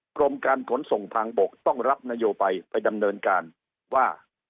กรมการขนส่งทางบกต้องรับนโยบายไปดำเนินการว่า